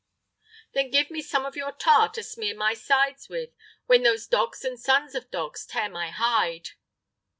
"Then give me some of your tar to smear my sides with, when those dogs and sons of dogs tear my hide!"